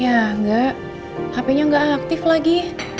ya enggak hpnya enggak aktif lagi